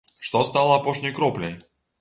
Што стала апошняй кропляй?